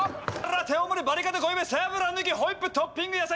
ラテ大盛りバリカタ濃いめ背脂抜きホイップトッピング野菜